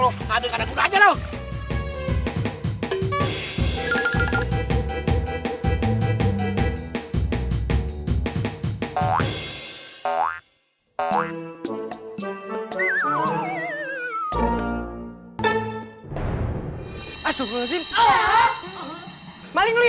anggap baik kita lagi mandi di hotel berbintang bang